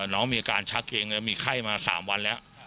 น้องมีอาการชักเก่งมีไข้มาสามวันแล้ว